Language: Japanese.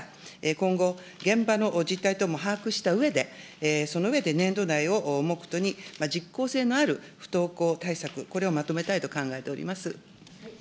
今後、現場の実態等も把握したうえで、その上で年度内を目途に実効性のある不登校対策、これをまとめたいと考えております。